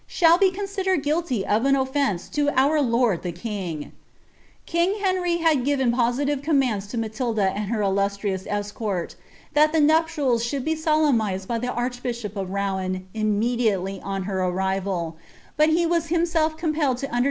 thall he considered fuiliy of an offence lo our lord the king.'" Kiiii^ Henry lud pvcn poshive commands lo Maiilda and her illu» irioiii rwort. that ilie niiptinis should be solemnixed by the archbishop iif HoiK^ii titimediitlely on her arrival;' bnt he was himself com peLed ti uiKlr.